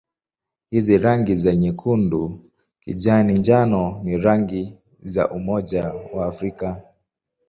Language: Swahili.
Hizi rangi za nyekundu-kijani-njano ni rangi za Umoja wa Afrika.